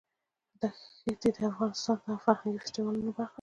ښتې د افغانستان د فرهنګي فستیوالونو برخه ده.